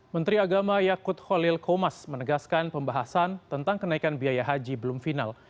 menteri agama yakut holil komas menegaskan pembahasan tentang kenaikan biaya haji belum final